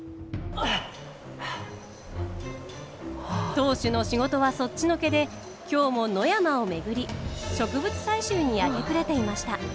当主の仕事はそっちのけで今日も野山を巡り植物採集に明け暮れていました。